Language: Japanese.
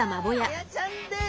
ホヤちゃんです。